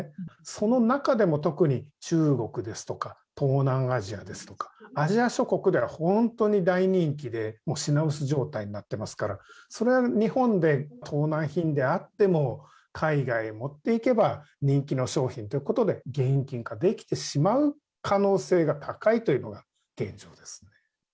その中でも特に中国ですとか、東南アジアですとか、アジア諸国では本当に大人気で、もう品薄状態になってますから、それは日本で盗難品であっても、海外に持っていけば、人気の商品ということで、現金化できてしまう可能性が高いというのが現状です。